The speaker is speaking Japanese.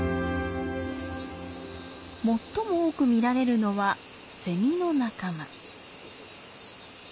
最も多く見られるのはセミの仲間。